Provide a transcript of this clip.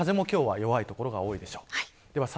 風も今日は弱い所が多いでしょう。